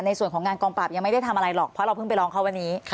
ในส่วนของงานกองปราบยังไม่ได้ทำอะไรหรอกเพราะเราเพิ่งไปร้องเขาวันนี้